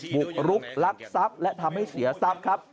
บุกรุกลักทรัพย์และทำให้เสียทรัพย์ครับ